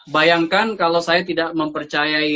bayangkan kalau saya tidak mempercayai